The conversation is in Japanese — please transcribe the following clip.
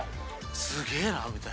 すげえなみたいな。